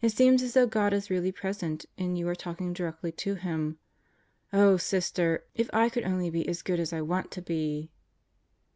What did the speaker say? It seems as though God is really present and you are talking directly to Him. Oh, Sister, if I could only be as good as I want to be.